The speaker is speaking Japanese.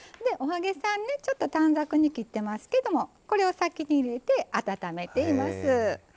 お揚げさんねちょっと短冊に切っていますけどこれを先に入れて温めています。